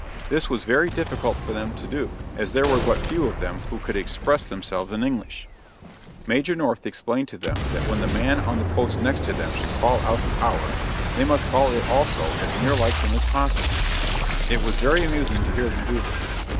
This was very difficult for them to do, as there were but few of them who could express themselves in English. Major North explained to them that when the man on post next to them should call out the hour, they must call it also as near like him as possible. It was very amusing to hear them do this.